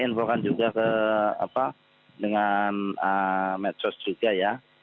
kita informasi juga ke apa dengan medsos juga ya